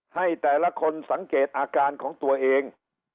ให้แต่ละคนสังเกตอาการของตัวเอง